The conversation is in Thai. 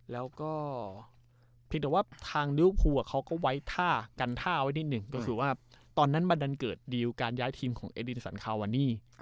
แล้วก็เพียงแต่ว่าทางลิเวอร์พูลเขาก็ไว้ท่ากันท่าไว้นิดหนึ่งก็คือว่าตอนนั้นมันดันเกิดดีลการย้ายทีมของเอดินสันคาวานี่